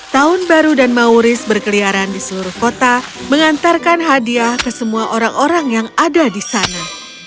tahun baru dan mauris berkeliaran di seluruh kota mengantarkan hadiah ke semua orang orang yang ada di sana